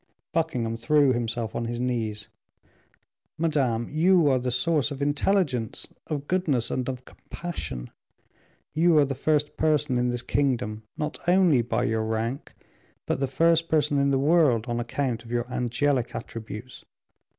Buckingham threw himself on his knees. "Madame, you are the source of intelligence, of goodness, and of compassion; you are the first person in this kingdom, not only by your rank, but the first person in the world on account of your angelic attributes.